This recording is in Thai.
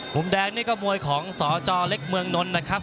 มุมแดงนี่ก็มวยของสจเล็กเมืองนนท์นะครับ